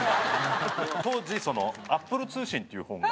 当時『アップル通信』っていう本が。